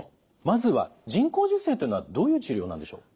まずは人工授精というのはどういう治療なんでしょう？